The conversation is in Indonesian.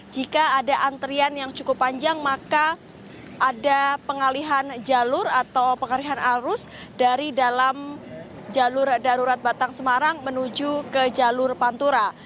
jika ada antrian yang cukup panjang maka ada pengalihan jalur atau pengalihan arus dari dalam jalur darurat batang semarang menuju ke jalur pantura